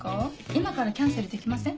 今からキャンセルできません？